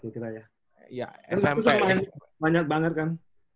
itu tuh banyak banget kan